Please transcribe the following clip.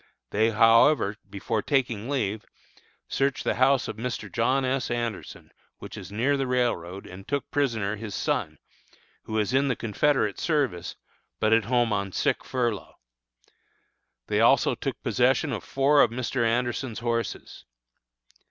They, however, before taking leave, searched the house of Mr. John S. Anderson, which is near the railroad, and took prisoner his son, who is in the Confederate service, but at home on sick furlough. They also took possession of four of Mr. Anderson's horses.